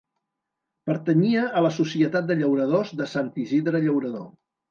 Pertanyia a la societat de llauradors de Sant Isidre Llaurador.